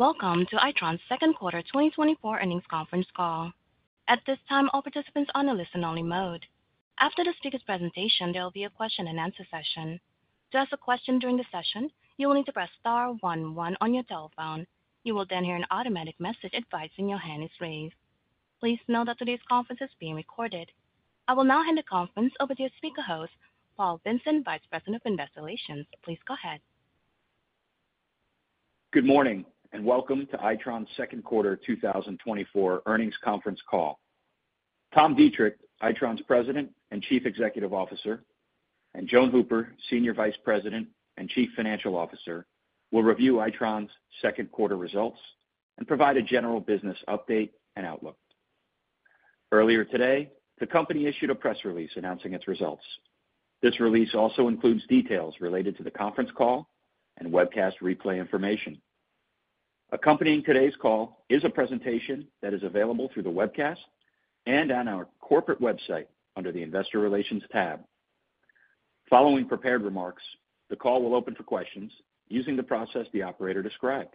Welcome to Itron's Q2 2024 earnings conference call. At this time, all participants are on a listen-only mode. After the speaker's presentation, there will be a question-and-answer session. To ask a question during the session, you will need to press star one one on your telephone. You will then hear an automatic message advising your hand is raised. Please note that today's conference is being recorded. I will now hand the conference over to your speaker host Paul Vincent, Vice President of Investor Relations. Please go ahead. Good morning and welcome to Itron's Q2 2024 earnings conference call. Tom Deitrich, Itron's President and Chief Executive Officer and Joan Hooper, Senior Vice President and Chief Financial Officer, will review Itron's Q2 results and provide a general business update and outlook. Earlier today, the company issued a press release announcing its results. This release also includes details related to the conference call and webcast replay information. Accompanying today's call is a presentation that is available through the webcast and on our corporate website under the Investor Relations tab. Following prepared remarks, the call will open for questions using the process the operator described.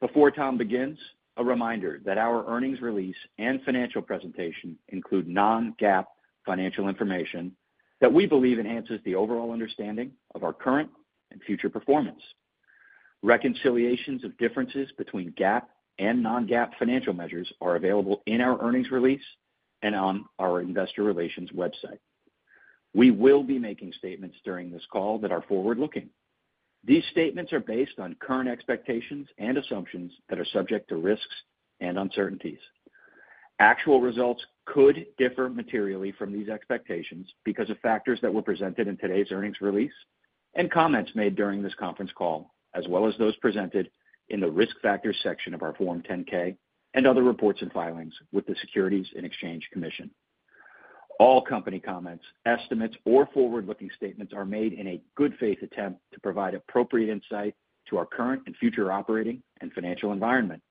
Before Tom begins, a reminder that our earnings release and financial presentation include non-GAAP financial information that we believe enhances the overall understanding of our current and future performance. Reconciliations of differences between GAAP and non-GAAP financial measures are available in our earnings release and on our investor relations website. We will be making statements during this call that are forward-looking. These statements are based on current expectations and assumptions that are subject to risks and uncertainties. Actual results could differ materially from these expectations because of factors that were presented in today's earnings release and comments made during this conference call, as well as those presented in the Risk Factors section of our Form 10-K and other reports and filings with the Securities and Exchange Commission. All company comments, estimates or forward-looking statements are made in a good-faith attempt to provide appropriate insight to our current and future operating and financial environment.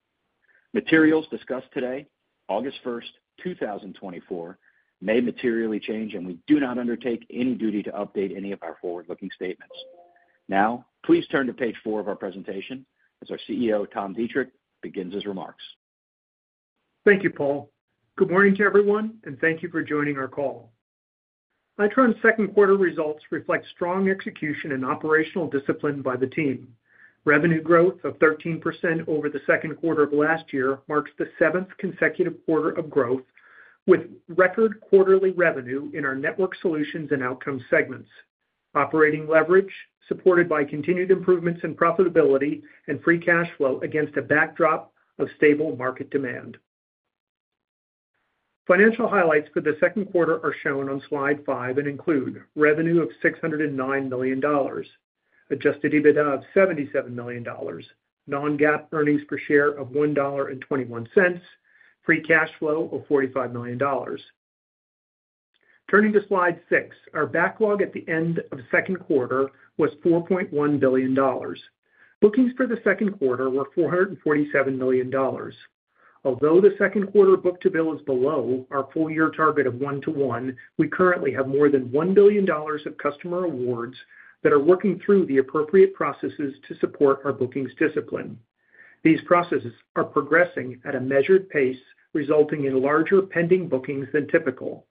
Materials discussed today, August 1, 2024, may materially change and we do not undertake any duty to update any of our forward-looking statements. Now, please turn to page 4 of our presentation as our CEO, Tom Deitrich, begins his remarks. Thank you, Paul. Good morning to everyone and thank you for joining our call. Itron's Q2 results reflect strong execution and operational discipline by the team. Revenue growth of 13% over the Q2 of last year marks the seventh consecutive quarter of growth, with record quarterly revenue in our Network Solutions and Outcomes segments. Operating leverage, supported by continued improvements in profitability and free cash flow against a backdrop of stable market demand. Financial highlights for the Q2 are shown on slide 5 and include revenue of $609 million, adjusted EBITDA of $77 million, non-GAAP earnings per share of $1.21, free cash flow of $45 million. Turning to slide 6, our backlog at the end of Q2 was $4.1 billion. Bookings for the Q2 were $447 million. Although the Q2 book-to-bill is below our full-year target of 1 to 1, We currently have more than $1 billion of customer awards that are working through the appropriate processes to support our bookings discipline. These processes are progressing at a measured pace, resulting in larger pending bookings than typical.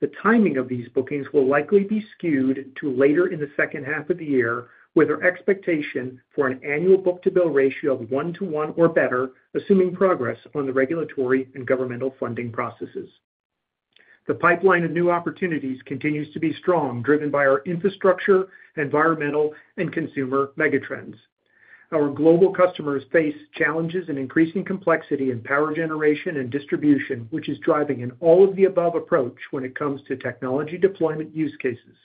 The timing of these bookings will likely be skewed to later in the H2 of the year, with our expectation for an annual book-to-bill ratio of 1 to 1 or better, assuming progress on the regulatory and governmental funding processes. The pipeline of new opportunities continues to be strong, driven by our infrastructure, environmental and consumer megatrends. Our global customers face challenges and increasing complexity in power generation and distribution, which is driving an all-of-the-above approach when it comes to technology deployment use cases.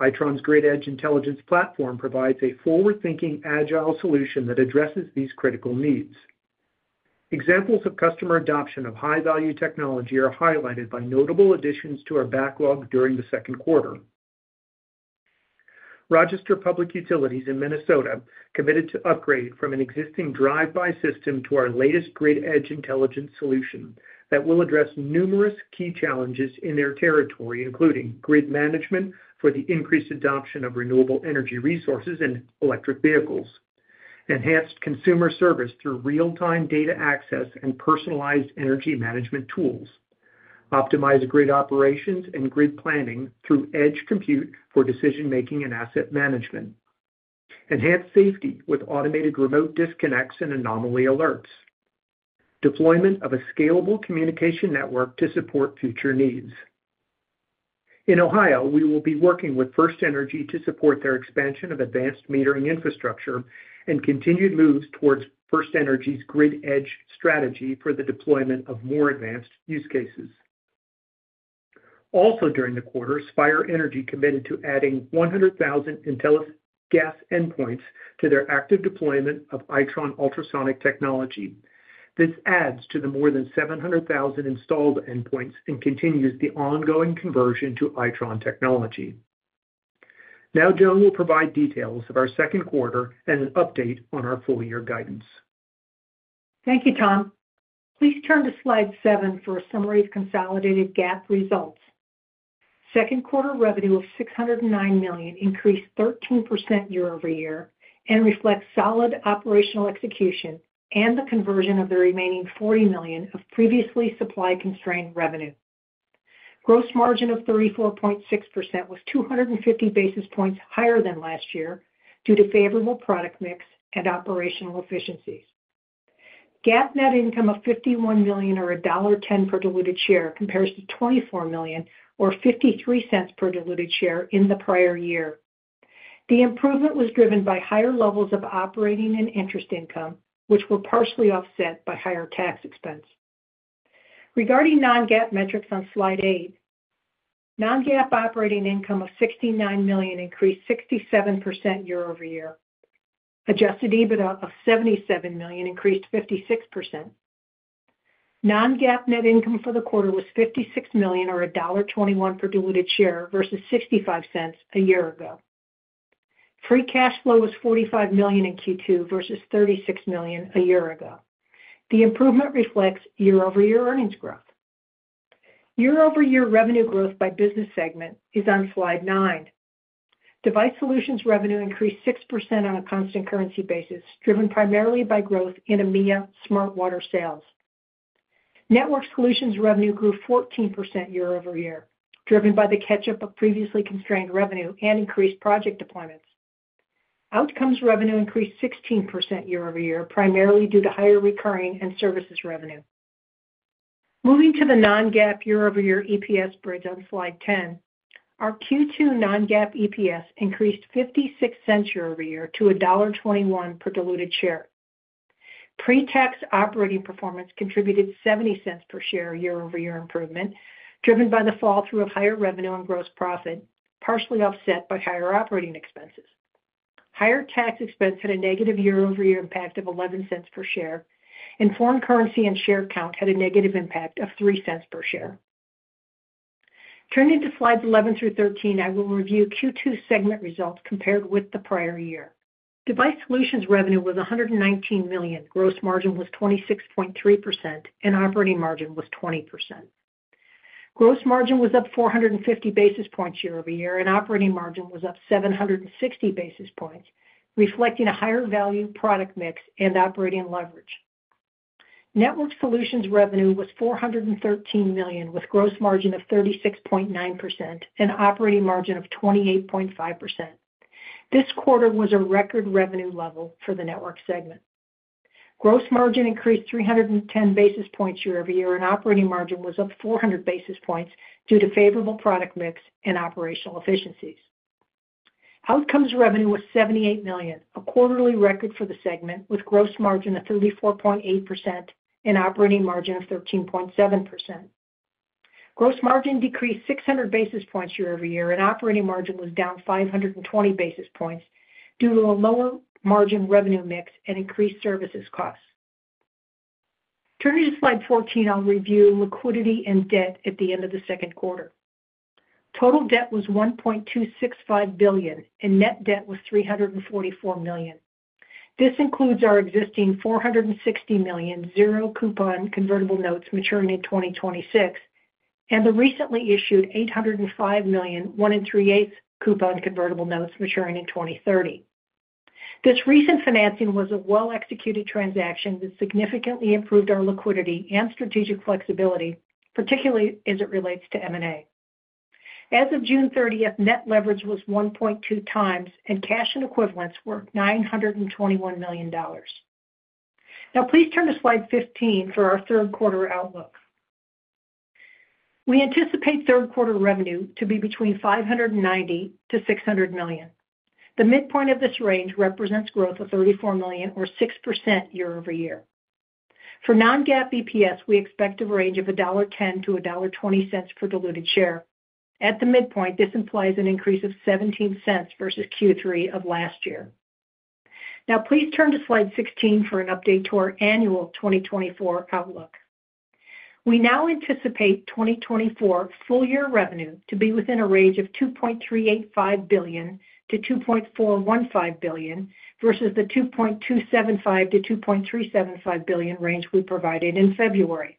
Itron's Grid Edge Intelligence platform provides a forward-thinking, agile solution that addresses these critical needs. Examples of customer adoption of high-value technology are highlighted by notable additions to our backlog during the Q2. Rochester Public Utilities in Minnesota committed to upgrade from an existing drive-by system to our latest Grid Edge Intelligence solution that will address numerous key challenges in their territory, including grid management for the increased adoption of renewable energy resources and electric vehicles. Enhanced consumer service through real-time data access and personalized energy management tools. Optimized grid operations and grid planning through edge compute for decision-making and asset management. Enhanced safety with automated remote disconnects and anomaly alerts. Deployment of a scalable communication network to support future needs. In Ohio, we will be working with FirstEnergy to support their expansion of advanced metering infrastructure and continued moves towards FirstEnergy's Grid Edge strategy for the deployment of more advanced use cases. Also, during the quarter, Spire Energy committed to adding 100,000 Intellis gas endpoints to their active deployment of Itron ultrasonic technology. This adds to the more than 700,000 installed endpoints and continues the ongoing conversion to Itron technology. Now Joan will provide details of our Q2 and an update on our full-year guidance. Thank you, Tom. Please turn to Slide 7 for a summary of consolidated GAAP results. Q2 revenue of $609 million increased 13% year-over-year and reflects solid operational execution and the conversion of the remaining $40 million of previously supply-constrained revenue. Gross margin of 34.6% was 250 basis points higher than last year due to favorable product mix and operational efficiencies. GAAP net income of $51 million, or $1.10 per diluted share, compares to $24 million or $0.53 per diluted share in the prior year. The improvement was driven by higher levels of operating and interest income, which were partially offset by higher tax expense. Regarding non-GAAP metrics on Slide 8, non-GAAP operating income of $69 million increased 67% year-over-year. Adjusted EBITDA of $77 million increased 56%. Non-GAAP net income for the quarter was $56 million or $1.21 per diluted share versus $0.65 a year ago. Free cash flow was $45 million in Q2 versus $36 million a year ago. The improvement reflects year-over-year earnings growth. Year-over-year revenue growth by business segment is on Slide 9. Device Solutions revenue increased 6% on a constant currency basis, driven primarily by growth in EMEA Smart Water sales. Network Solutions revenue grew 14% year-over-year, driven by the catch-up of previously constrained revenue and increased project deployments. Outcomes revenue increased 16% year-over-year, primarily due to higher recurring and services revenue. Moving to the non-GAAP year-over-year EPS bridge on Slide 10, our Q2 non-GAAP EPS increased $0.56 year-over-year to $1.21 per diluted share. Pre-tax operating performance contributed $0.70 per share year-over-year improvement, driven by the flow-through of higher revenue and gross profit, partially offset by higher operating expenses. Higher tax expense had a negative year-over-year impact of $0.11 per share and foreign currency and share count had a negative impact of $0.03 per share. Turning to slides 11 through 13, I will review Q2 segment results compared with the prior year. Device Solutions revenue was $119 million, gross margin was 26.3% and operating margin was 20%. Gross margin was up 450 basis points year-over-year and operating margin was up 760 basis points, reflecting a higher value product mix and operating leverage. Network Solutions revenue was $413 million, with gross margin of 36.9% and operating margin of 28.5%. This quarter was a record revenue level for the network segment. Gross margin increased 310 basis points year-over-year and operating margin was up 400 basis points due to favorable product mix and operational efficiencies. Outcomes revenue was $78 million, a quarterly record for the segment, with gross margin of 34.8% and operating margin of 13.7%. Gross margin decreased 600 basis points year-over-year and operating margin was down 520 basis points due to a lower margin revenue mix and increased services costs. Turning to Slide 14, I'll review liquidity and debt at the end of the Q2. Total debt was $1.265 billion and net debt was $344 million. This includes our existing $460 million 0% coupon convertible notes maturing in 2026 and the recently issued $805 million 1.375% coupon convertible notes maturing in 2030. This recent financing was a well-executed transaction that significantly improved our liquidity and strategic flexibility, particularly as it relates to M&A. As of June 30, net leverage was 1.2x and cash and equivalents were $921 million. Now please turn to Slide 15 for our Q3 outlook. We anticipate Q3 revenue to be between $590 million and $600 million. The midpoint of this range represents growth of $34 million or 6% year-over-year. For non-GAAP EPS, we expect a range of $1.10 to $1.20 per diluted share. At the midpoint, this implies an increase of $0.17 versus Q3 of last year. Now please turn to Slide 16 for an update to our annual 2024 outlook. We now anticipate 2024 full-year revenue to be within a range of $2.385 billion to $2.415 billion versus the $2.275 billion to $2.375 billion range we provided in February.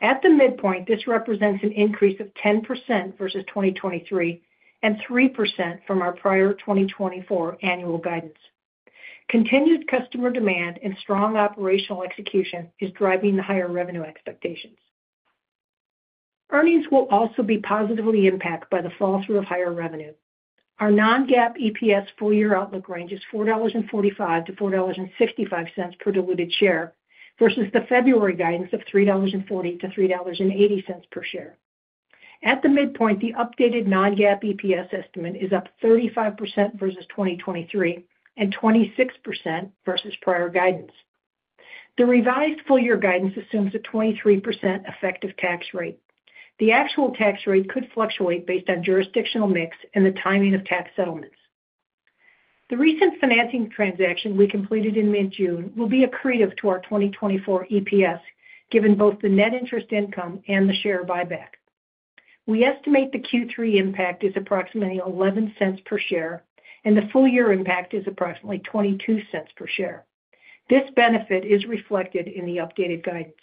At the midpoint, this represents an increase of 10% versus 2023 and 3% from our prior 2024 annual guidance. Continued customer demand and strong operational execution is driving the higher revenue expectations. Earnings will also be positively impacted by the fall through of higher revenue. Our non-GAAP EPS full-year outlook range is $4.45-$4.65 per diluted share, versus the February guidance of $3.40 to $3.80 per share. At the midpoint, the updated non-GAAP EPS estimate is up 35% versus 2023 and 26% versus prior guidance. The revised full-year guidance assumes a 23% effective tax rate. The actual tax rate could fluctuate based on jurisdictional mix and the timing of tax settlements. The recent financing transaction we completed in mid-June will be accretive to our 2024 EPS, given both the net interest income and the share buyback. We estimate the Q3 impact is approximately $0.11 per share and the full year impact is approximately $0.22 per share. This benefit is reflected in the updated guidance.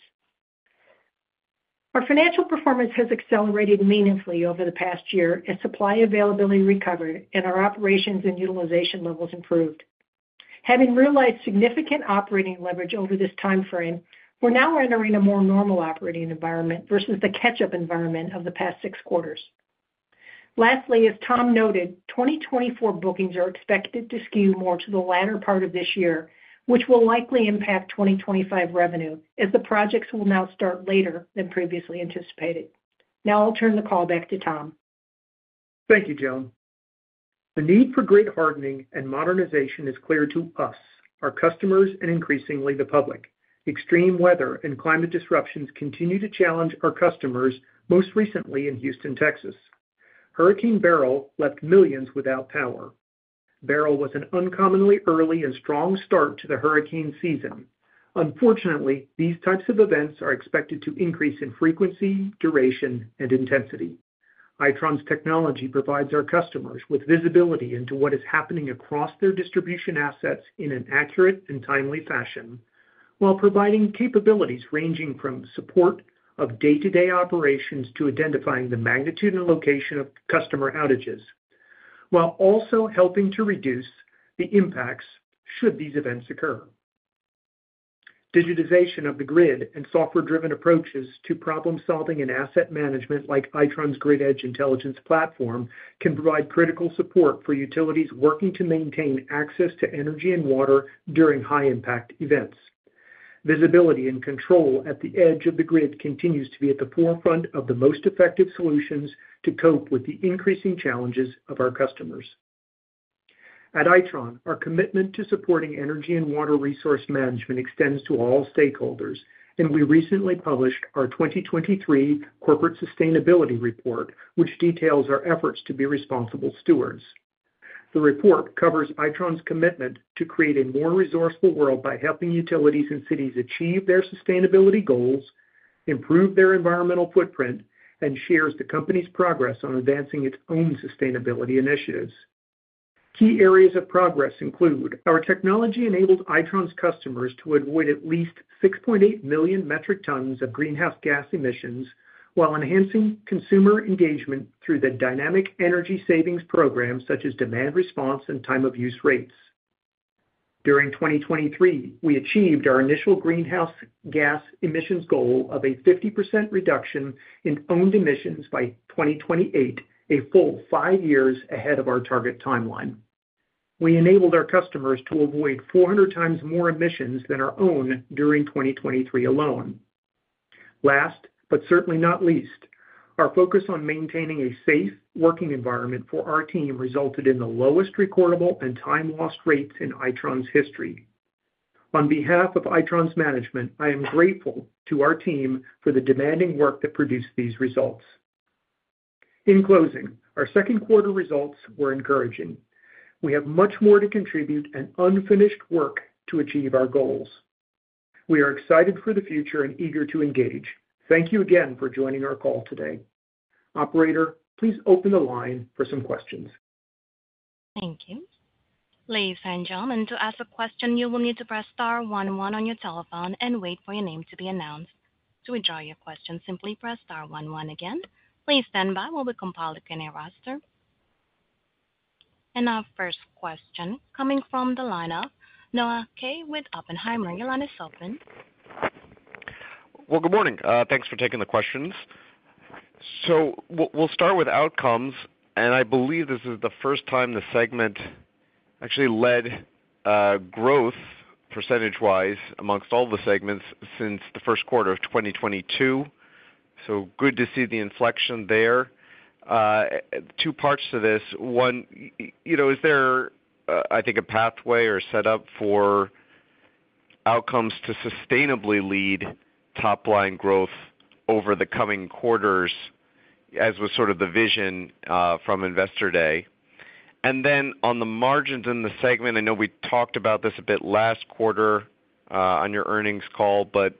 Our financial performance has accelerated meaningfully over the past year as supply availability recovered and our operations and utilization levels improved. Having realized significant operating leverage over this time frame, we're now entering a more normal operating environment versus the catch-up environment of the past six quarters. Lastly, as Tom noted, 2024 bookings are expected to skew more to the latter part of this year, which will likely impact 2025 revenue, as the projects will now start later than previously anticipated. Now I'll turn the call back to Tom. Thank you, Joan. The need for grid hardening and modernization is clear to us, our customers and increasingly, the public. Extreme weather and climate disruptions continue to challenge our customers, most recently in Houston, Texas. Hurricane Beryl left millions without power. Beryl was an uncommonly early and strong start to the hurricane season. Unfortunately, these types of events are expected to increase in frequency, duration and intensity. Itron's technology provides our customers with visibility into what is happening across their distribution assets in an accurate and timely fashion, while providing capabilities ranging from support of day-to-day operations to identifying the magnitude and location of customer outages, while also helping to reduce the impacts should these events occur. Digitization of the grid and software-driven approaches to problem-solving and asset management, like Itron's Grid Edge Intelligence platform, can provide critical support for utilities working to maintain access to energy and water during high-impact events. Visibility and control at the edge of the grid continues to be at the forefront of the most effective solutions to cope with the increasing challenges of our customers. At Itron, our commitment to supporting energy and water resource management extends to all stakeholders and we recently published our 2023 Corporate Sustainability Report, which details our efforts to be responsible stewards. The report covers Itron's commitment to create a more resourceful world by helping utilities and cities achieve their sustainability goals, improve their environmental footprint and shares the company's progress on advancing its own sustainability initiatives. Key areas of progress include: our technology enabled Itron's customers to avoid at least 6.8 million metric tons of greenhouse gas emissions, while enhancing consumer engagement through the dynamic energy savings program, such as demand response and time of use rates. During 2023, we achieved our initial greenhouse gas emissions goal of a 50% reduction in owned emissions by 2028, a full 5 years ahead of our target timeline. We enabled our customers to avoid 400 times more emissions than our own during 2023 alone. last but certainly not least, our focus on maintaining a safe working environment for our team resulted in the lowest recordable and time lost rates in Itron's history. On behalf of Itron's management, I am grateful to our team for the demanding work that produced these results. In closing, our Q2 results were encouraging. We have much more to contribute and unfinished work to achieve our goals. We are excited for the future and eager to engage. Thank you again for joining our call today. Operator, please open the line for some questions. Thank you. Ladies and gentlemen, to ask a question, you will need to press star one one on your telephone and wait for your name to be announced. To withdraw your question, simply press star one one again. Please stand by while we compile the Q&A roster and our first question coming from the line of Noah Kaye with Oppenheimer. Your line is open. Well, Good Morning. Thanks for taking the questions. So we'll start with outcomes and I believe this is the first time the segment actually led growth percentage-wise amongst all the segments since the Q1 of 2022. So good to see the inflection there. Two parts to this. one is there, I think, a pathway or setup for Outcomes to sustainably lead top line growth over the coming quarters, as was sort of the vision from Investor Day? And then on the margins in the segment, I know we talked about this a bit last quarter on your earnings call but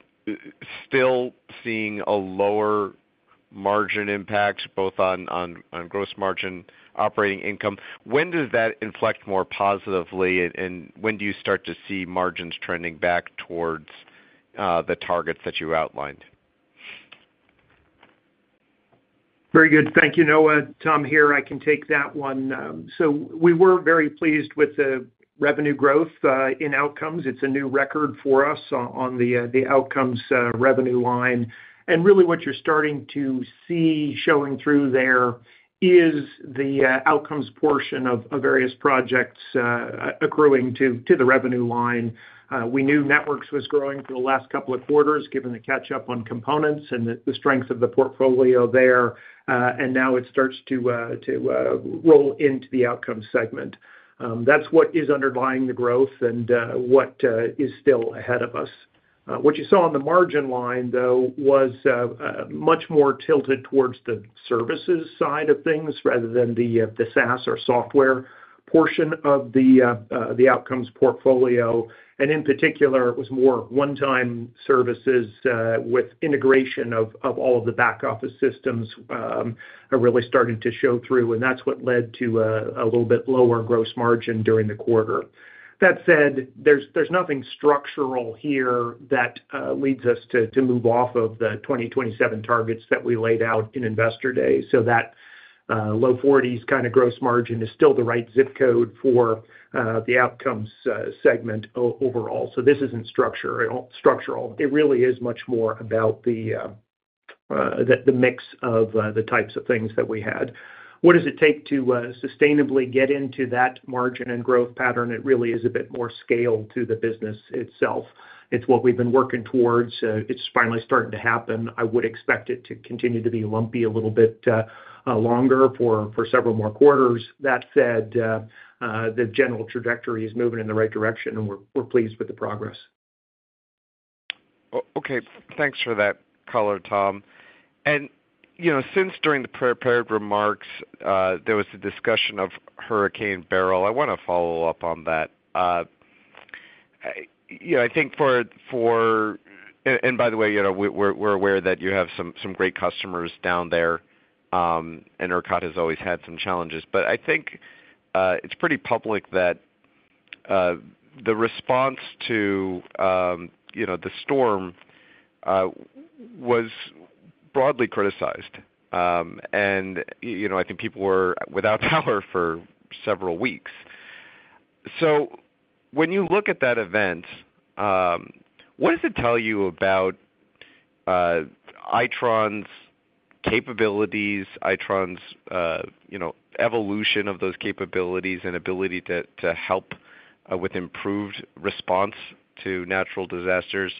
still seeing a lower margin impact, both on gross margin, operating income. When does that inflect more positively and when do you start to see margins trending back towards the targets that you outlined? Very good. Thank you, Noah. Tom here. I can take that one. So we were very pleased with the revenue growth in Outcomes. It's a new record for us on the Outcomes revenue line. Really what you're starting to see showing through there is the Outcomes portion of various projects accruing to the revenue line. We knew Network Solutions was growing for the last couple of quarters, given the catch-up on components and the strength of the portfolio there and now it starts to roll into the Outcomes segment. That's what is underlying the growth and what is still ahead of us. What you saw on the margin line, though, was much more tilted towards the services side of things rather than the SaaS or software Portion of the outcomes portfolio and in particular, it was more one-time services with integration of all of the back office systems are really starting to show through and that's what led to a little bit lower gross margin during the quarter. That said, there's nothing structural here that leads us to move off of the 2027 targets that we laid out in Investor Day. So that low forties kind of gross margin is still the right ZIP code for the Outcomes segment overall. So this isn't structural. It really is much more about the mix of the types of things that we had. What does it take to sustainably get into that margin and growth pattern? It really is a bit more scale to the business itself. It's what we've been working towards. It's finally starting to happen. I would expect it to continue to be lumpy a little bit longer for several more quarters. That said, the general trajectory is moving in the right direction and we're pleased with the progress. Okay. Thanks for that color, tom and since during the pre-prepared remarks, there was a discussion of Hurricane Beryl, I wanna follow up on that. I think – and by the way we're aware that you have some great customers down there and ERCOT has always had some challenges. But I think it's pretty public that the response to the storm was broadly criticized and I think people were without power for several weeks. So when you look at that event, what does it tell you about Itron's capabilities, itron's evolution of those capabilities and ability to help with improved response to natural disasters?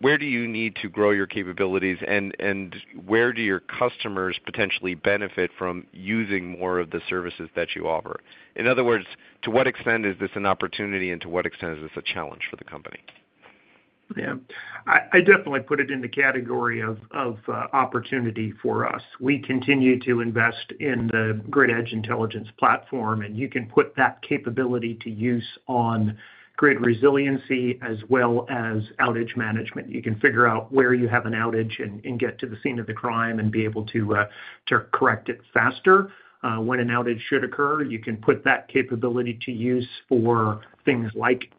Where do you need to grow your capabilities and where do your customers potentially benefit from using more of the services that you offer? In other words, to what extent is this an opportunity and to what extent is this a challenge for the company? I definitely put it in the category of opportunity for us. We continue to invest in the Grid Edge Intelligence platform and you can put that capability to use on grid resiliency as well as outage management. You can figure out where you have an outage and get to the scene of the crime and be able to correct it faster when an outage should occur. You can put that capability to use for things like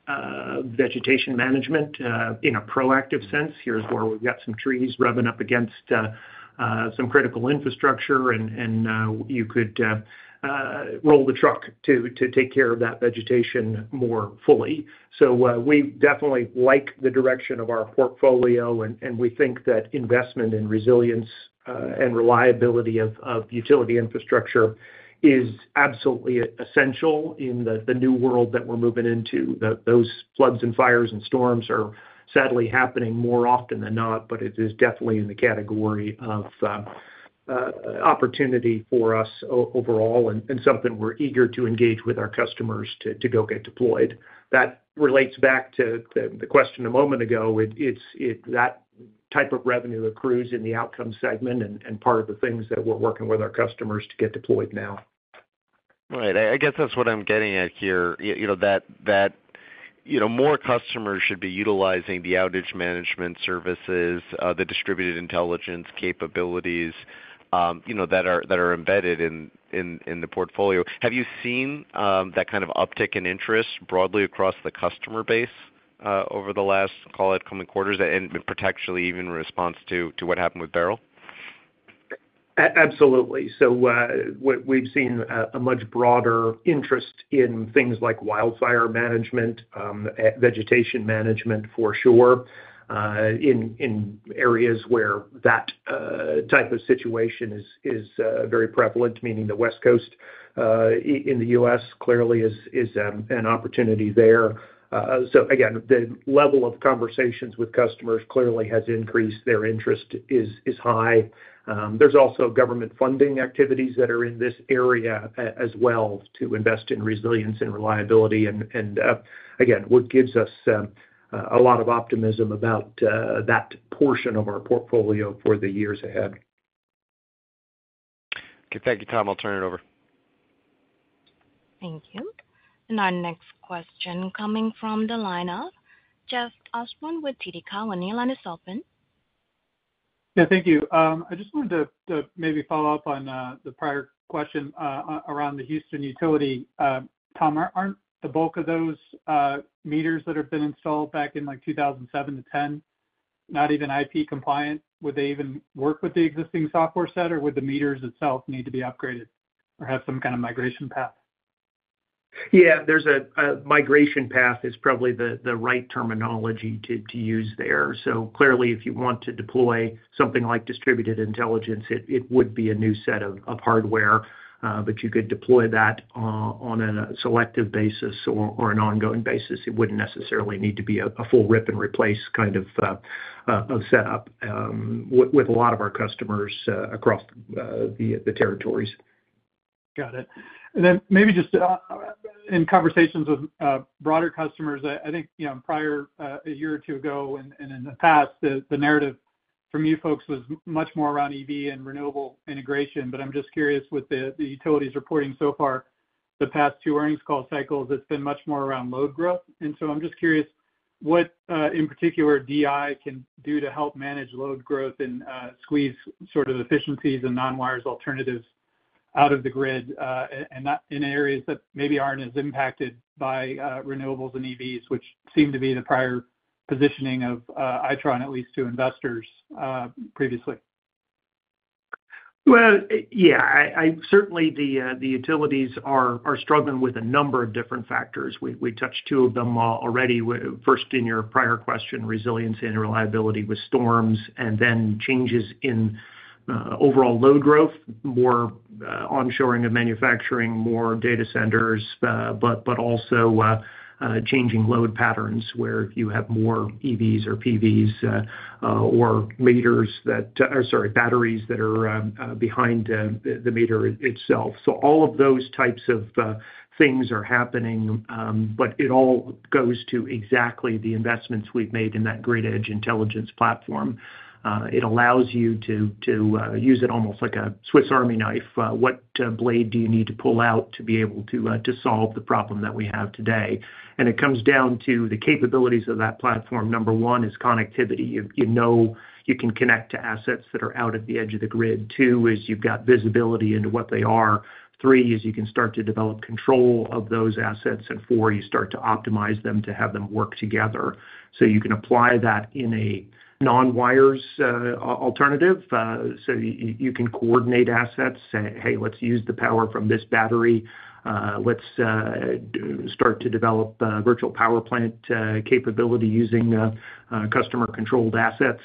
vegetation management in a proactive sense. Here's where we've got some trees rubbing up against some critical infrastructure and you could roll the truck to take care of that vegetation more fully. So, we definitely like the direction of our portfolio and we think that investment in resilience and reliability of utility infrastructure is absolutely essential in the new world that we're moving into. Those floods and fires and storms are sadly happening more often than not but it is definitely in the category of opportunity for us overall and something we're eager to engage with our customers to go get deployed. That relates back to the question a moment ago. It's that type of revenue accrues in the Outcomes segment and part of the things that we're working with our customers to get deployed now. Right. I guess that's what I'm getting at here. You know that more customers should be utilizing the outage management services, the distributed intelligence capabilities that are embedded in the portfolio. Have you seen that kind of uptick in interest broadly across the customer base over the last, call it, coming quarters and potentially even in response to what happened with Beryl? Absolutely. So, what we've seen a much broader interest in things like wildfire management, vegetation management, for sure, in areas where that type of situation is very prevalent, meaning the West Coast in the U.S., clearly is an opportunity there. So again, the level of conversations with customers clearly has increased. Their interest is high. There's also government funding activities that are in this area as well, to invest in resilience and reliability and again, what gives us a lot of optimism about that portion of our portfolio for the years ahead. Okay. Thank you, Tom. I'll turn it over. Thank you. Our next question coming from the line of Jeff Osborne with TD Cowen, the line is open. Thank you. I just wanted to maybe follow up on the prior question around the Houston utility. Tom, aren't the bulk of those meters that have been installed back in, like, 2007 to 2010, not even IP compliant? Would they even work with the existing software set, or would the meters itself need to be upgraded or have some kind of migration path? There's a migration path is probably the right terminology to use there. So clearly, if you want to deploy something like distributed intelligence, it would be a new set of hardware but you could deploy that on a selective basis or an ongoing basis. It wouldn't necessarily need to be a full rip and replace kind of setup, with a lot of our customers, across the territories. Got it. Then maybe just in conversations with broader customers, I think you know prior a year or two ago and in the past the narrative for you folks was much more around EV and renewable integration but I'm just curious with the utilities reporting so far the past two earnings call cycles it's been much more around load growth. So I'm just curious what in particular DI can do to help manage load growth and squeeze sort of efficiencies and non-wires alternatives out of the grid and not in areas that maybe aren't as impacted by renewables and EVs which seem to be the prior positioning of Itron at least to investors previously? Well, I certainly the utilities are struggling with a number of different factors. We touched two of them already, first in your prior question, resilience and reliability with storms and then changes in overall load growth, more onshoring of manufacturing, more data centers but also changing load patterns, where you have more EVs or PVs, or sorry, batteries that are behind the meter itself. So all of those types of things are happening but it all goes to exactly the investments we've made in that Grid Edge Intelligence platform. It allows you to use it almost like a Swiss Army knife. What blade do you need to pull out to be able to solve the problem that we have today? And it comes down to the capabilities of that platform. Number one is connectivity. You know you can connect to assets that are out at the edge of the grid. Two, is you've got visibility into what they are. Three, is you can start to develop control of those assets and four, you start to optimize them to have them work together. So you can apply that in a non-wires alternative. So you can coordinate assets, say, "Hey, let's use the power from this battery. Let's start to develop virtual power plant capability using customer-controlled assets.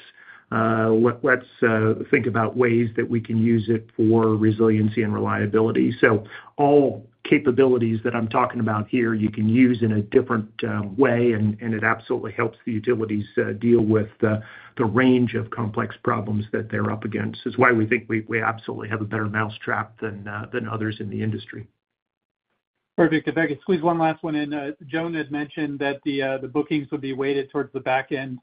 Let's think about ways that we can use it for resiliency and reliability." So all capabilities that I'm talking about here, you can use in a different way and it absolutely helps the utilities deal with the range of complex problems that they're up against. It's why we think we absolutely have a better mousetrap than others in the industry. Perfect. If I could squeeze one last one in. Joan had mentioned that the, the bookings would be weighted towards the back end,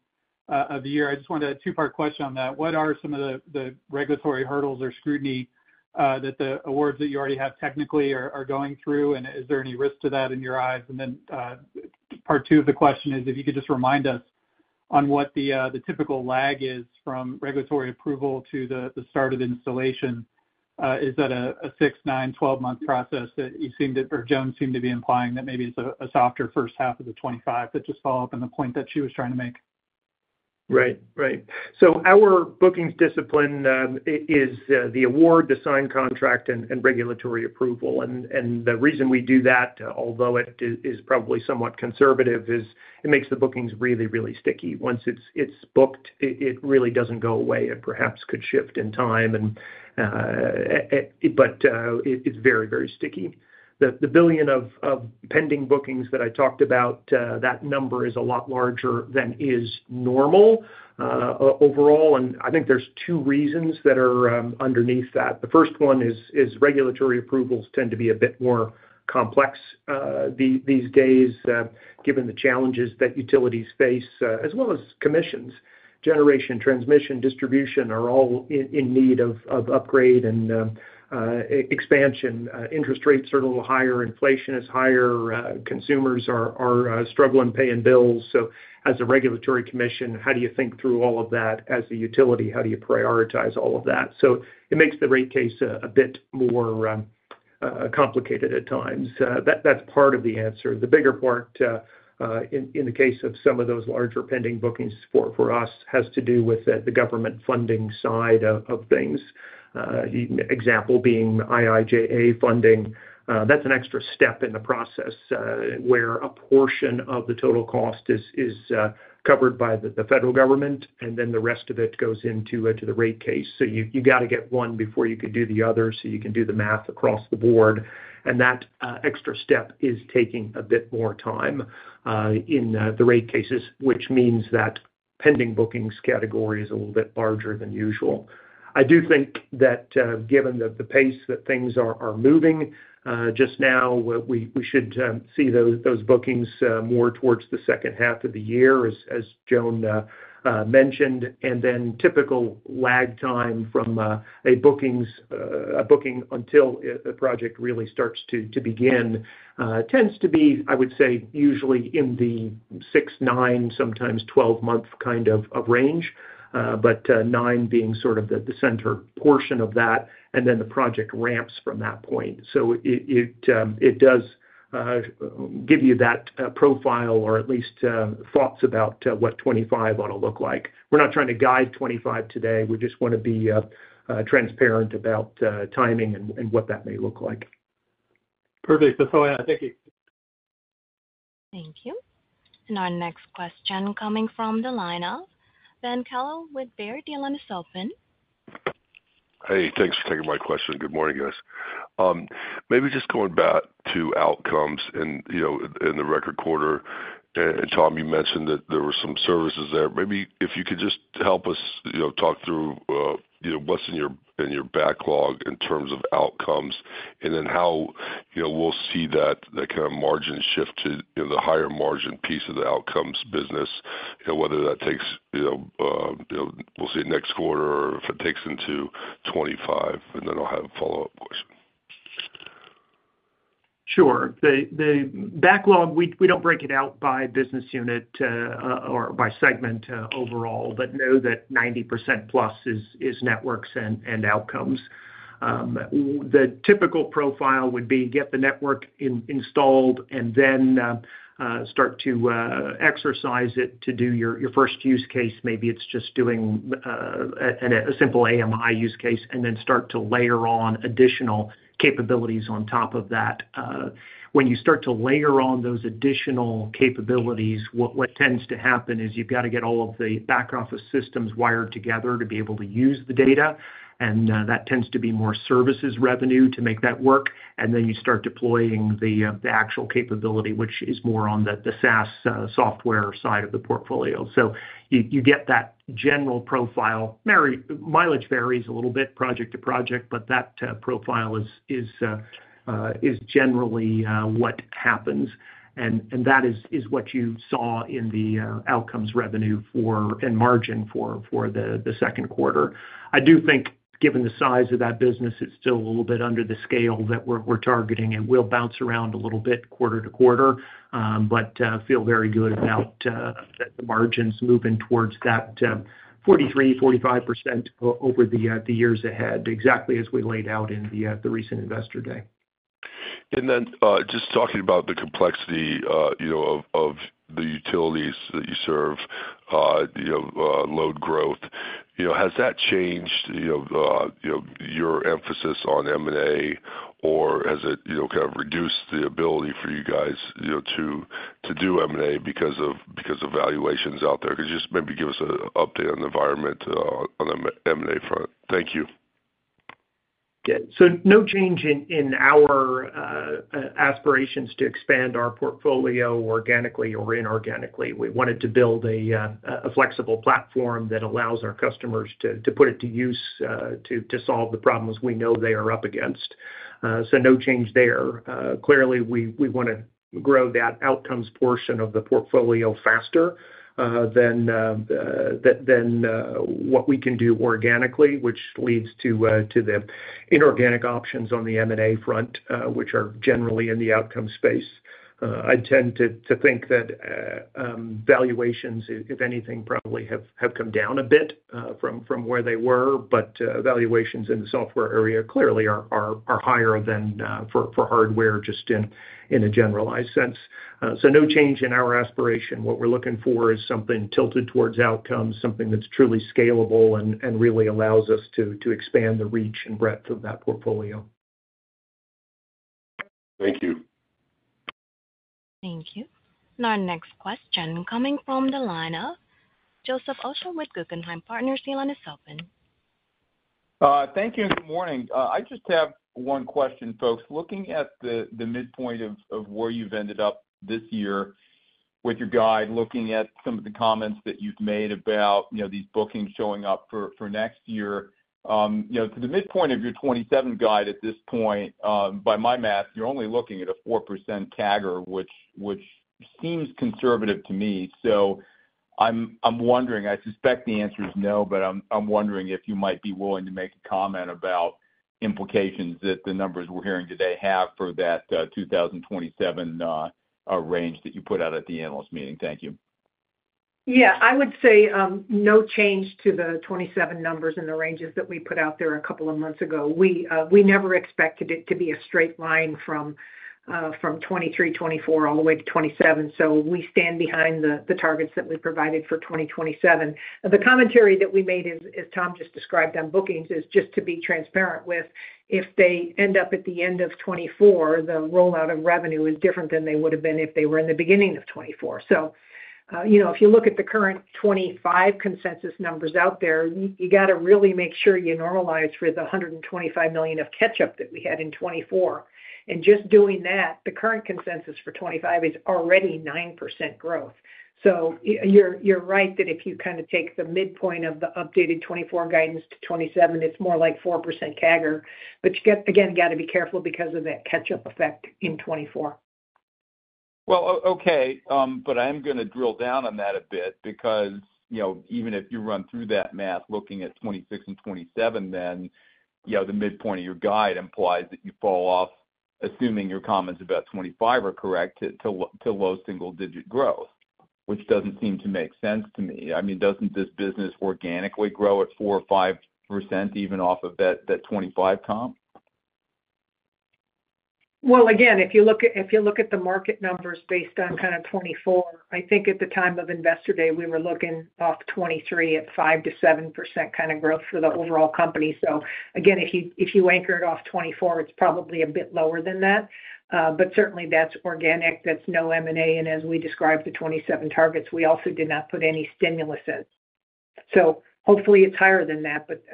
of the year. I just wanted a two-part question on that. What are some of the, the regulatory hurdles or scrutiny, that the awards that you already have technically are, are going through? And is there any risk to that in your eyes? And then, part two of the question is, if you could just remind us on what the, the typical lag is from regulatory approval to the, the start of installation. Is that a 6-, 9-, 12-month process that you seemed to, or Joan seemed to be implying that maybe it's a softer H1 of 2025? To just follow up on the point that she was trying to make. Right. Right. So our bookings discipline is the award, the signed contract and regulatory approval. The reason we do that, although it is probably somewhat conservative, is it makes the bookings really, really sticky. Once it's booked, it really doesn't go away. It perhaps could shift in time but it's very, very sticky. The $1 billion of pending bookings that I talked about, that number is a lot larger than is normal overall and I think there's two reasons that are underneath that. The first one is regulatory approvals tend to be a bit more complex these days, given the challenges that utilities face, as well as commissions. Generation, transmission, distribution are all in need of upgrade and expansion. Interest rates are a little higher, inflation is higher, consumers are struggling paying bills. So as a regulatory commission, how do you think through all of that? As a utility, how do you prioritize all of that? So it makes the rate case a bit more complicated at times. That's part of the answer. The bigger part, in the case of some of those larger pending bookings for us, has to do with the government funding side of things. Example being IIJA funding, that's an extra step in the process, where a portion of the total cost is covered by the federal government and then the rest of it goes into the rate case. So you gotta get one before you can do the other, so you can do the math across the board and that extra step is taking a bit more time in the rate cases, which means that pending bookings category is a little bit larger than usual. I do think that given the pace that things are moving just now, we should see those bookings more towards the H2 of the year, as Joan mentioned and then typical lag time from a booking until a project really starts to begin tends to be, I would say, usually in the 6-, 9-, sometimes 12-month kind of range. But nine being sort of the center portion of that and then the project ramps from that point. So it does give you that profile or at least thoughts about what 2025 ought to look like. We're not trying to guide 2025 today. We just want to be transparent about timing and what that may look like. Perfect. That's all I have. Thank you. Thank you and our next question coming from the line of Ben kallo with Baird. Your line is open. Hey, thanks for taking my question. Good morning, guys. Maybe just going back to Outcomes and in, in the record quarter and Tom, you mentioned that there were some services there. Maybe if you could just help us talk through what's in your, in your backlog in terms of outcomes and then how we'll see that, that kind of margin shift to the higher margin piece of the Outcomes business and whether that takes we'll see it next quarter, or if it takes into 2025 and then I'll have a follow-up question. Sure. The backlog, we don't break it out by business unit or by segment overall but know that 90% plus is networks and outcomes. The typical profile would be get the network installed and then start to exercise it to do your first use case. Maybe it's just doing a simple AMI use case and then start to layer on additional capabilities on top of that. When you start to layer on those additional capabilities, what tends to happen is you've got to get all of the back office systems wired together to be able to use the data and that tends to be more services revenue to make that work. Then you start deploying the actual capability, which is more on the SaaS software side of the portfolio. So you get that general profile. Mileage varies a little bit, project to project but that profile is generally what happens and that is what you saw in the Outcomes revenue for and margin for, the Q2. I do think, given the size of that business, it's still a little bit under the scale that we're targeting and will bounce around a little bit quarter to quarter. But feel very good about that the margins moving towards that 43% to 45% over the years ahead, exactly as we laid out in the recent Investor Day. And then, just talking about the complexity of the utilities that you serve load growth. has that changed your emphasis on M&A, or has it kind of reduced the ability for you guys to do M&A because of valuations out there? Could you just maybe give us an update on the environment, on the M&A front? Thank you. Sono change in our aspirations to expand our portfolio organically or inorganically. We wanted to build a flexible platform that allows our customers to put it to use to solve the problems we know they are up against. So no change there. Clearly, we wanna grow that outcomes portion of the portfolio faster than what we can do organically, which leads to the inorganic options on the M&A front, which are generally in the outcome space. I tend to think that valuations, if anything, probably have come down a bit from where they were but valuations in the software area clearly are higher than for hardware, just in a generalized sense. So no change in our aspiration. What we're looking for is something tilted towards outcomes, something that's truly scalable and really allows us to expand the reach and breadth of that portfolio. Thank you. Thank you. Our next question coming from the line of Joseph Osha with Guggenheim Partners. Your line is open. Thank you and Good Morning. I just have one question, folks. Looking at the midpoint of where you've ended up this year with your guide, looking at some of the comments that you've made about these bookings showing up for next year to the midpoint of your 2027 guide at this point, by my math, you're only looking at a 4% CAGR, which seems conservative to me. So I'm wondering, I suspect the answer is no but I'm wondering if you might be willing to make a comment about implications that the numbers we're hearing today have for that 2027 range that you put out at the analyst meeting. Thank you. I would say, no change to the 2027 numbers and the ranges that we put out there a couple of months ago. We, we never expected it to be a straight line from, from 2023, 2024, all the way to 2027, so we stand behind the, the targets that we provided for 2027. The commentary that we made, as Tom just described on bookings, is just to be transparent with if they end up at the end of 2024, the rollout of revenue is different than they would've been if they were in the beginning of 2024. so if you look at the current 2025 consensus numbers out there, you gotta really make sure you normalize for the $125 million of catch-up that we had in 2024. And just doing that, the current consensus for 2025 is already 9% growth. So you're right that if you kind of take the midpoint of the updated 2024 guidance to 2027, it's more like 4% cagr but you get, again, gotta be careful because of that catch-up effect in 2024. Well, okay but I'm gonna drill down on that a bit because even if you run through that math looking at 2026 and 2027, then the midpoint of your guide implies that you fall off, assuming your comments about 2025 are correct, to low single digit growth, which doesn't seem to make sense to me. I mean, doesn't this business organically grow at 4% or 5%, even off of that, that 2025 comp? Well, again, if you look at, if you look at the market numbers based on kind of 2024, I think at the time of Investor Day, we were looking off 2023 at 5%-7% kind of growth for the overall company. So again, if you, if you anchor it off 2024, it's probably a bit lower than that. But certainly, that's organic, that's no m&a and as we described the 2027 targets, we also did not put any stimulus in. So hopefully, it's higher than that but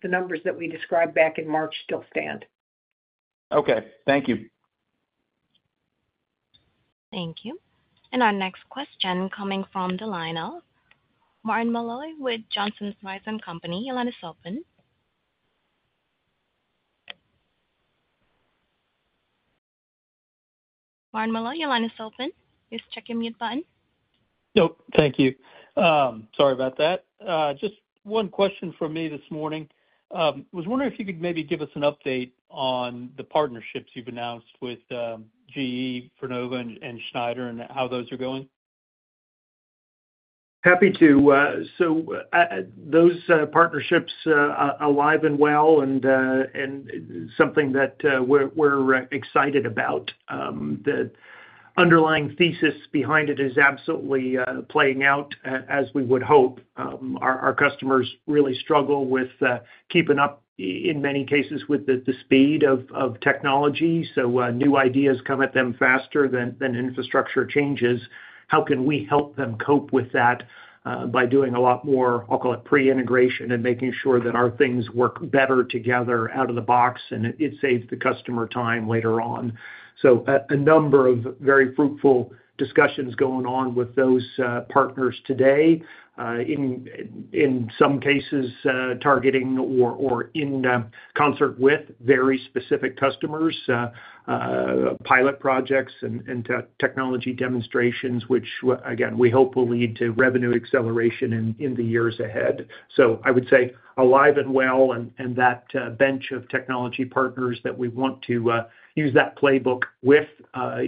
the numbers that we described back in March still stand. Okay, thank you. Thank you. Our next question coming from the line of Martin Malloy with Johnson Rice and Company. Your line is open. Martin Malloy, your line is open. Please check your mute button. Oh, thank you. Sorry about that. Just one question for me this morning. Was wondering if you could maybe give us an update on the partnerships you've announced with GE and Schneider, how those are going? Happy to those partnerships are alive and well and and something that we're excited about. The underlying thesis behind it is absolutely playing out as we would hope. Our customers really struggle with keeping up in many cases with the speed of technology. So, new ideas come at them faster than infrastructure changes. How can we help them cope with that by doing a lot more, I'll call it pre-integration and making sure that our things work better together out of the box and it saves the customer time later on A number of very fruitful discussions going on with those partners today, in some cases, targeting or in concert with very specific customers, pilot projects and technology demonstrations, which, again, we hope will lead to revenue acceleration in the years ahead. So I would say alive and well and that bench of technology partners that we want to use that playbook with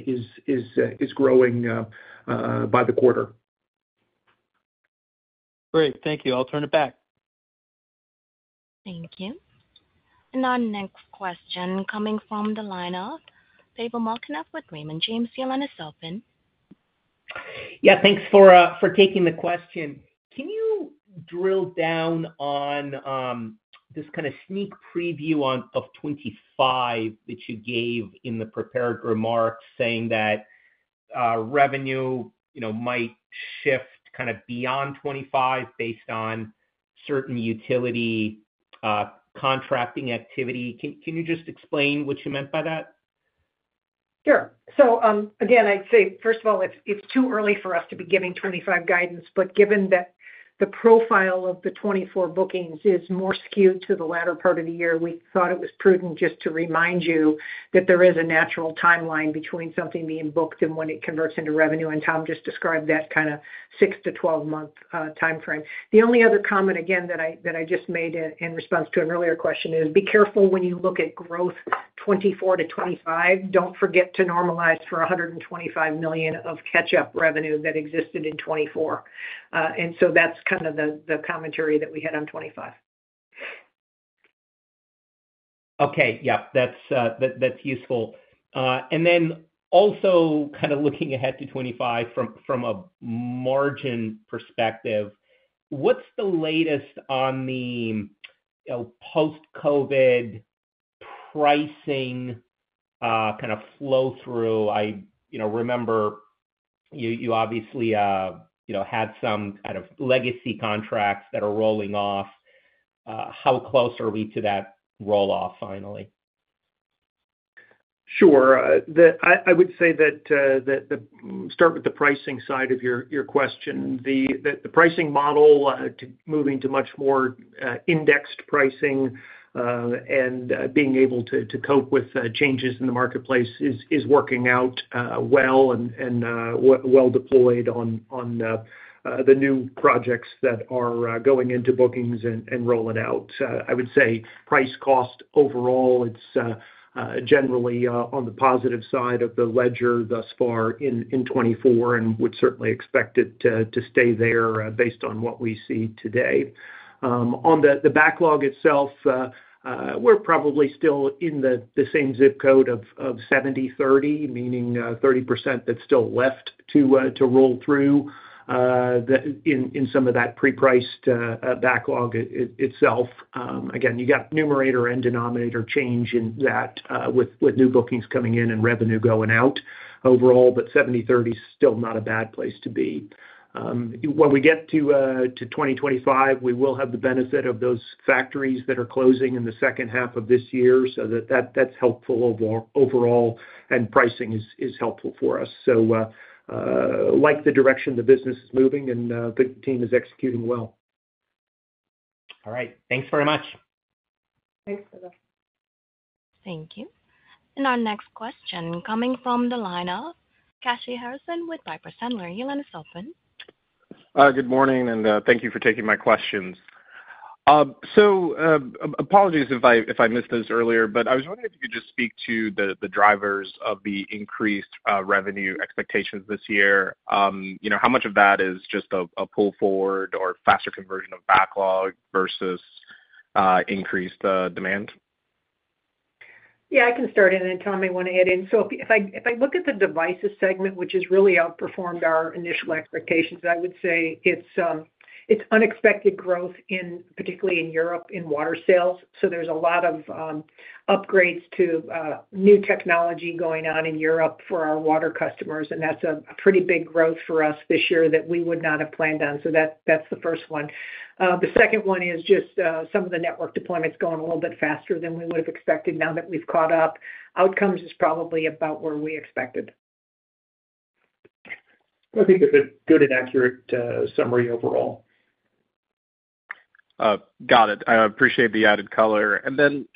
is growing by the quarter. Great. Thank you. I'll turn it back. Thank you. Our next question coming from the line of Pavel Molchanov with Raymond James. Your line is open. Thanks for taking the question. Can you drill down on this kind of sneak preview on of 25 that you gave in the prepared remarks, saying that revenue might shift kind of beyond 25 based on certain utility contracting activity? Can you just explain what you meant by that? Sure. So, again, I'd say, first of all, it's, it's too early for us to be giving 2025 guidance. But given that the profile of the 2024 bookings is more skewed to the latter part of the year, we thought it was prudent just to remind you that there is a natural timeline between something being booked and when it converts into revenue and Tom just described that kind of 6-12-month timeframe. The only other comment, again, that I, that I just made, in response to an earlier question, is be careful when you look at growth 2024 to 2025. Don't forget to normalize for $125 million of catch-up revenue that existed in 2024 and so that's kind of the, the commentary that we had on 2025. That's useful and then also kind of looking ahead to 2025 from, from a margin perspective, what's the latest on the post-COVID pricing, kind of flow-through? i remember you, you obviously had some kind of legacy contracts that are rolling off. How close are we to that roll-off finally? Sure. I would say that, start with the pricing side of your question. The pricing model to moving to much more indexed pricing and being able to cope with changes in the marketplace is working out well and well deployed on the new projects that are going into bookings and rolling out. I would say price cost overall, it's generally on the positive side of the ledger thus far in 2024 and would certainly expect it to stay there based on what we see today. On the backlog itself, we're probably still in the same zip code of 70/30, meaning 30% that's still left to roll through, in some of that pre-priced backlog itself. Again, you got numerator and denominator change in that, with new bookings coming in and revenue going out overall but 70/30 is still not a bad place to be. When we get to 2025, we will have the benefit of those factories that are closing in the H2 of this year. So that's helpful overall and pricing is helpful for us. So like the direction the business is moving and the team is executing well. All right. Thanks very much. Thanks, Pavel. Thank you. Our next question coming from the line of Kashy Harrison with Piper Sandler. Your line is open. Good morning and thank you for taking my questions. Apologies if I, if I missed this earlier but I was wondering if you could just speak to the, the drivers of the increased revenue expectations this year. how much of that is just a, a pull forward or faster conversion of backlog versus increased demand? I can start in and Tom may want to add in. So if I look at the devices segment, which has really outperformed our initial expectations, I would say it's unexpected growth in, particularly in Europe, in water sales. So there's a lot of upgrades to new technology going on in Europe for our water customers and that's a pretty big growth for us this year that we would not have planned on. So that's the first one. The second one is just some of the network deployments going a little bit faster than we would have expected now that we've caught up. Outcomes is probably about where we expected. I think it's a good and accurate summary overall. Got it. I appreciate the added color and then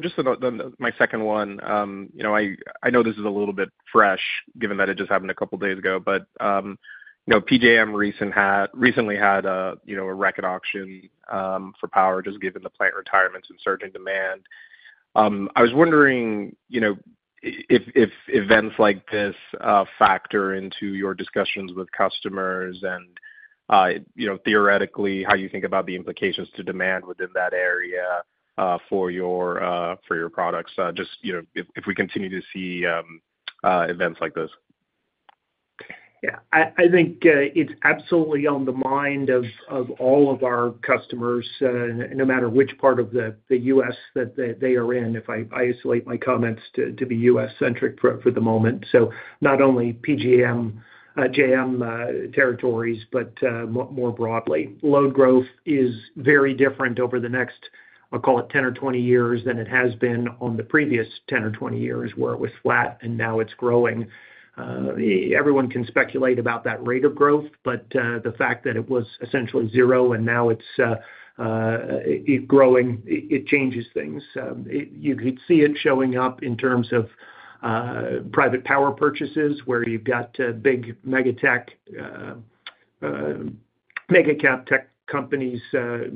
just about the-- my second one I know this is a little bit fresh, given that it just happened a couple days ago but PJM recently had a a record auction, for power, just given the plant retirements and surging demand. I was wondering if events like this factor into your discussions with customers and theoretically, how you think about the implications to demand within that area, for your products, just if we continue to see events like this? I think it's absolutely on the mind of all of our customers, no matter which part of the US that they are in, if I isolate my comments to be US-centric for the moment. So not only PJM territories but more broadly. Load growth is very different over the next, I'll call it 10 or 20 years, than it has been on the previous 10 or 20 years, where it was flat and now it's growing. Everyone can speculate about that rate of growth but the fact that it was essentially zero and now it's growing, it changes things. It you could see it showing up in terms of private power purchases, where you've got big mega tech mega cap tech companies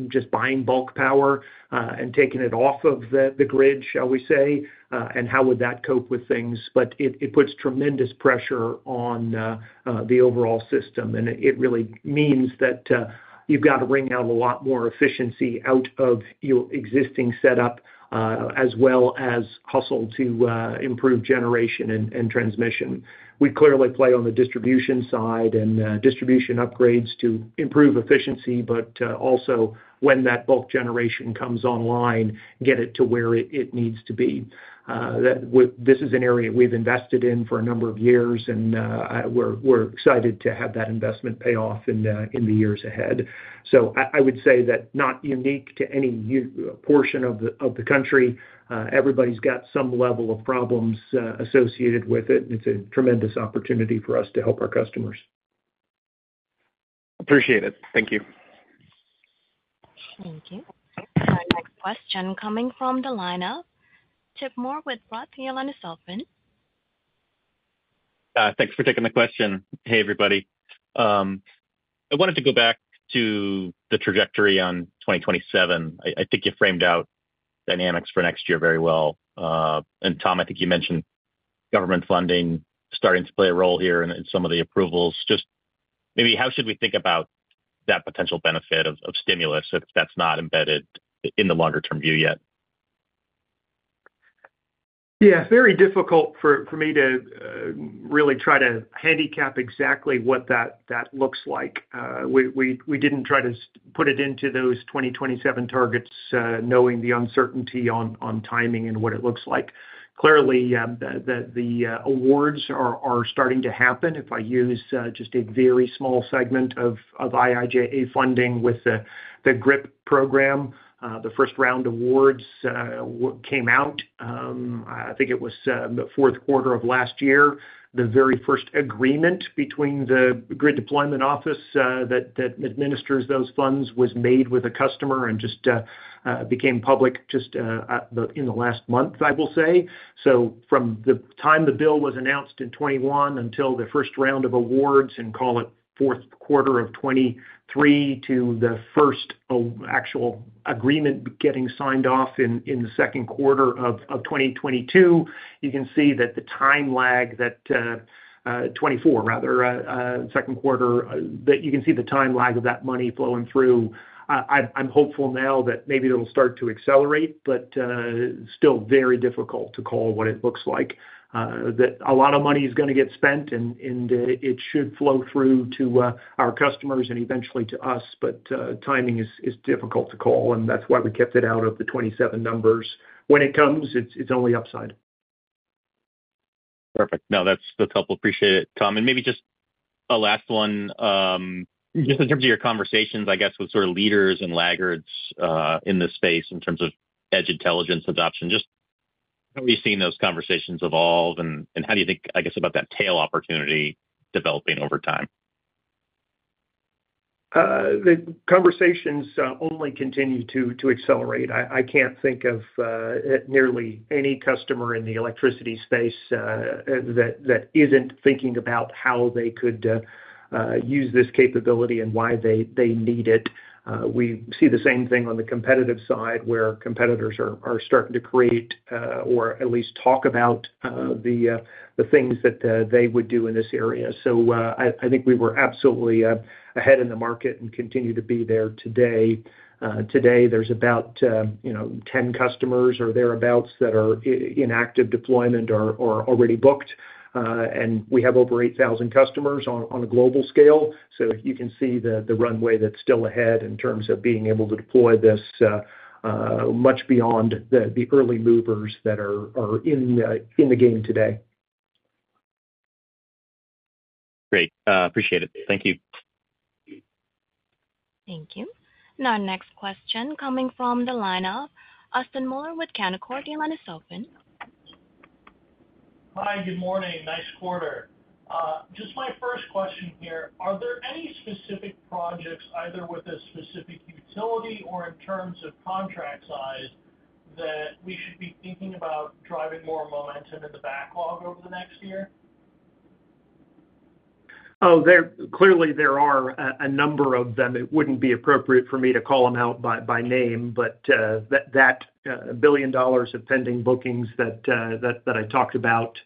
just buying bulk power and taking it off of the grid, shall we say and how would that cope with things? But it puts tremendous pressure on the overall system and it really means that you've got to wring out a lot more efficiency out of your existing setup as well as hustle to improve generation and transmission. We clearly play on the distribution side and distribution upgrades to improve efficiency but also when that bulk generation comes online, get it to where it needs to be. This is an area we've invested in for a number of years and we're excited to have that investment pay off in the years ahead. So I would say that not unique to any portion of the country, everybody's got some level of problems associated with it. It's a tremendous opportunity for us to help our customers. Appreciate it. Thank you. Thank you. Our next question coming from the lineup, Chip Moore with Roth. Your line is open. Thanks for taking the question. Hey, everybody. I wanted to go back to the trajectory on 2027. I, I think you framed out dynamics for next year very well and Tom, I think you mentioned government funding starting to play a role here in some of the approvals. Just maybe how should we think about that potential benefit of stimulus if that's not embedded in the longer term view yet? Very difficult for me to really try to handicap exactly what that looks like. We didn't try to put it into those 2027 targets, knowing the uncertainty on timing and what it looks like. Clearly, the awards are starting to happen. If I use just a very small segment of IIJA funding with the GRIP program, the first round of awards came out, I think it was the Q4 of last year. The very first agreement between the Grid Deployment Office that administers those funds was made with a customer and just became public in the last month, I will say. So from the time the bill was announced in 2021 until the first round of awards and call it Q4 of 2023 to the first actual agreement getting signed off in the Q2 of 2022, you can see that the time lag of that money flowing through. I'm hopeful now that maybe it'll start to accelerate but still very difficult to call what it looks like. That a lot of money is gonna get spent and it should flow through to our customers and eventually to us but timing is difficult to call and that's why we kept it out of the 2027 numbers. When it comes, it's only upside. Perfect. Now, that's still helpful. Appreciate it, tom and maybe just a last one. Just in terms of your conversations, I guess, with sort of leaders and laggards, in this space, in terms of edge intelligence adoption, just how have you seen those conversations and and how do you think, I guess, about that tail opportunity developing over time? The conversations only continue to accelerate. I can't think of nearly any customer in the electricity space that isn't thinking about how they could use this capability and why they need it. We see the same thing on the competitive side, where competitors are starting to create or at least talk about the things that they would do in this area. So, I think we were absolutely ahead in the market and continue to be there today. Today there's about 10 customers or thereabouts that are in active deployment or already booked and we have over 8,000 customers on a global scale. So you can see the runway that's still ahead in terms of being able to deploy this much beyond the early movers that are in the game today. Great. Appreciate it. Thank you. Thank you. Now our next question coming from the line of Austin Moeller with Canaccord. Your line is open. Hi, Good Morning. Nice quarter. Just my first question here, are there any specific projects, either with a specific utility or in terms of contract size, that we should be thinking about driving more momentum in the backlog over the next year? Oh, there clearly, there are a number of them. It wouldn't be appropriate for me to call them out by name but that $1 billion of pending bookings that I talked about,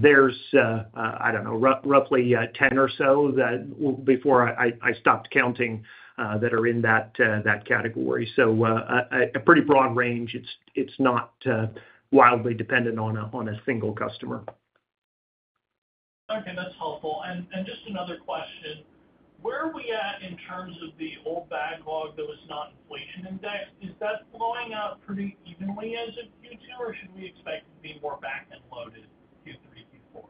there's I don't know, roughly 10 or so that before I stopped counting that are in that category. So, a pretty broad range. It's not wildly dependent on a single customer. Okay, that's helpful and just another question, where are we at in terms of the old backlog that was not inflation-indexed? Is that flowing out pretty evenly as it's due to, or should we expect it to be more back-end loaded, Q3,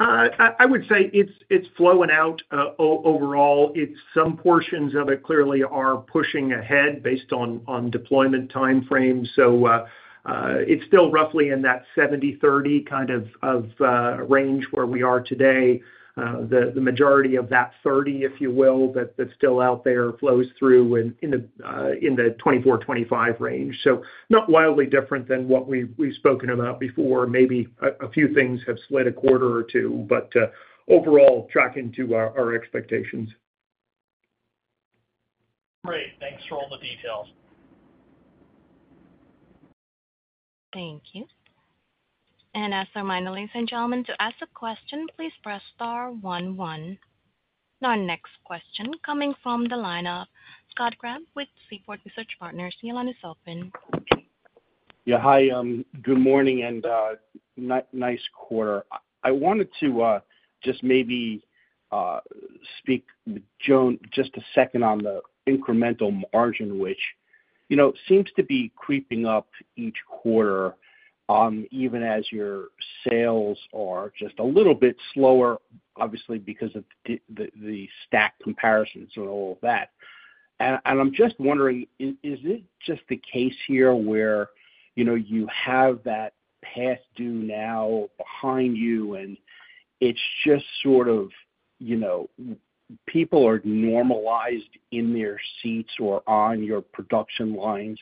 Q4? I would say it's flowing out overall. Some portions of it clearly are pushing ahead based on deployment timeframes. So, it's still roughly in that 70-30 kind of range where we are today. The majority of that 30, if you will, that's still out there, flows through in the 2024-2025 range. So not wildly different than what we've spoken about before. Maybe a few things have slid a quarter or two but overall, tracking to our expectations. Great. Thanks for all the details. Thank you. As a reminder, ladies and gentlemen, to ask a question, please press star one, one. Our next question coming from the line of Scott Graham with Seaport Research Partners. Your line is open. Hi, Good Morning and nice quarter. I wanted to just maybe speak, Joan, just a second on the incremental margin, which seems to be creeping up each quarter, even as your sales are just a little bit slower, obviously, because of the stack comparisons and all of that and I'm just wondering, is it just the case here where you have that past due now behind you and it's just sort of people are normalized in their seats or on your production lines?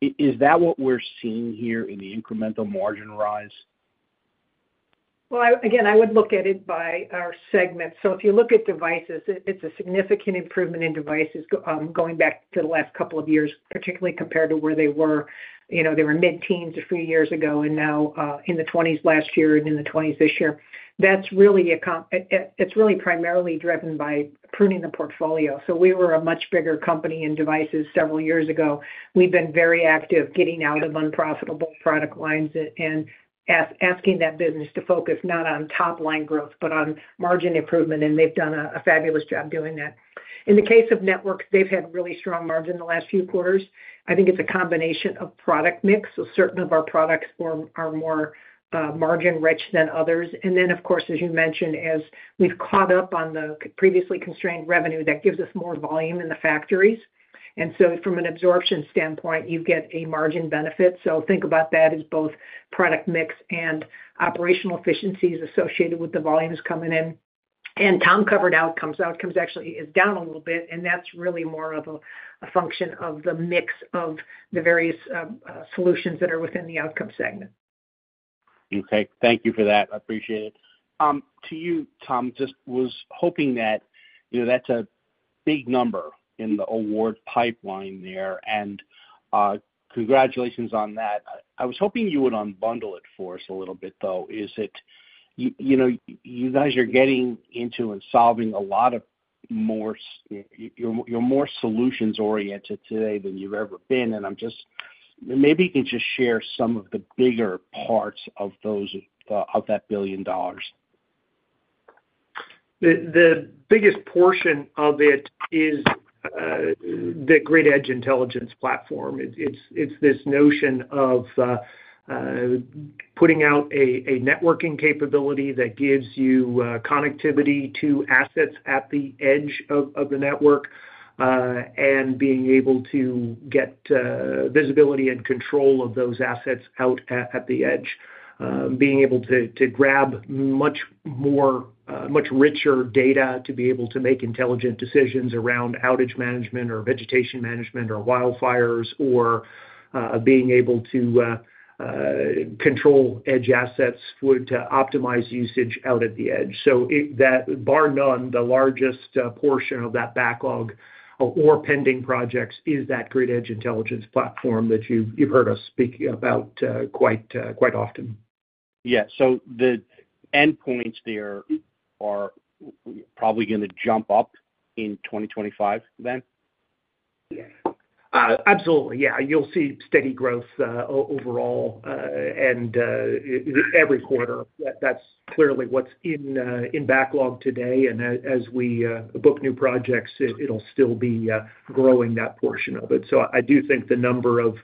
Is that what we're seeing here in the incremental margin rise? Well, I again would look at it by our segment. So if you look at devices, it's a significant improvement in devices going back to the last couple of years, particularly compared to where they were. they were mid-teens a few years ago and now in the twenties last year and in the twenties this year. That's really. It's really primarily driven by pruning the portfolio. So we were a much bigger company in devices several years ago. We've been very active getting out of unprofitable product lines and asking that business to focus not on top-line growth but on margin improvement and they've done a fabulous job doing that. In the case of networks, they've had really strong margin the last few quarters. I think it's a combination of product mix, so certain of our products are more margin rich than others and then, of course, as you mentioned, as we've caught up on the previously constrained revenue, that gives us more volume in the factories and so from an absorption standpoint, you get a margin benefit. So think about that as both product mix and operational efficiencies associated with the volumes coming in and Tom covered Outcomes. Outcomes actually is down a little bit and that's really more of a function of the mix of the various solutions that are within the Outcomes segment. Okay, thank you for that. I appreciate it. To you, Tom, just was hoping that that's a big number in the award pipeline there and congratulations on that. I was hoping you would unbundle it for us a little bit, though. Is it guys are getting into and solving a lot of more you, you're more solutions-oriented today than you've ever been and I'm just maybe you can just share some of the bigger parts of those, of that $1 billion. The biggest portion of it is the Grid Edge Intelligence platform. It's this notion of putting out a networking capability that gives you connectivity to assets at the edge of the network and being able to get visibility and control of those assets out at the edge. Being able to grab much more much richer data to be able to make intelligent decisions around outage management, or vegetation management, or wildfires, or being able to control edge assets would optimize usage out at the edge. So it, that, bar none, the largest portion of that backlog or pending projects is that Grid Edge Intelligence platform that you've heard us speak about quite quite often. So the endpoints there are probably gonna jump up in 2025, then? Absolutely. You'll see steady growth overall and every quarter. That's clearly what's in backlog today and as we book new projects, it'll still be growing that portion of it. So I do think the number of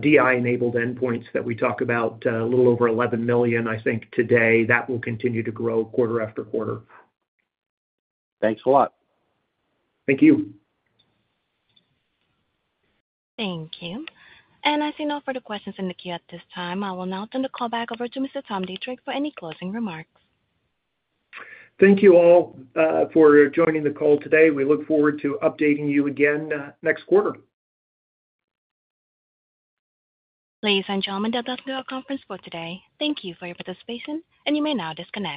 DI-enabled endpoints that we talk about, a little over 11 million, I think today, that will continue to grow quarter after quarter. Thanks a lot. Thank you. Thank you. I see no further questions in the queue at this time. I will now turn the call back over to Mr. Tom Deitrich for any closing remarks. Thank you all, for joining the call today. We look forward to updating you again, next quarter. Ladies and gentlemen, that ends our conference for today. Thank you for your participation and you may now disconnect.